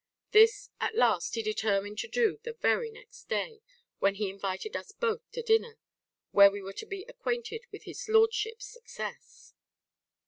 This, at last, he determined to do the very next day, when he invited us both to dinner, where we were to be acquainted with his lordship's success.